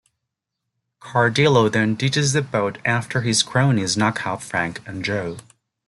Cardillo then ditches the boat after his cronies knock out Frank and Joe.